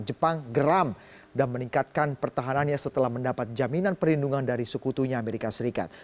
jepang geram dan meningkatkan pertahanannya setelah mendapat jaminan perlindungan dari sekutunya amerika serikat